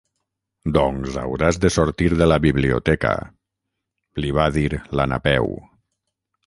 Doncs ara hauràs de sortir de la biblioteca —li va dir la Napeu.